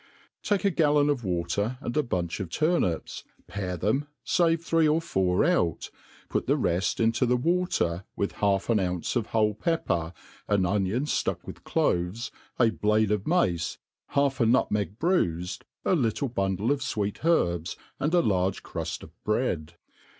TAKE a gallon of water, and a bunch pf turnips, pare them^ fave three or four out, put the reft into the water, with half an ounce of whole pepper, an onioA ftuck with cloves, » blade of mace^ half a nutmeg bruifed, a little bundle of fwee( herbs, and a large cri^ft of bread.